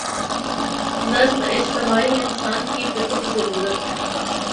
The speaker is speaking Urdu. نظم اجتماعی انسان کی فطری ضرورت ہے۔